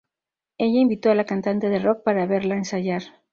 Ella invitó a la cantante de rock para verla ensayar.